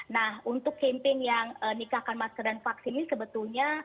nah untuk campaign yang nikahkan masker dan vaksin ini sebetulnya